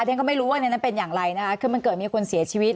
ฉันก็ไม่รู้ว่าในนั้นเป็นอย่างไรนะคะคือมันเกิดมีคนเสียชีวิต